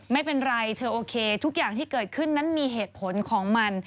ไม่เป็นไรเธอโอเคทุกอย่างที่เกิดขึ้นนั้นมีเหตุผลของมัน